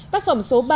tác phẩm số ba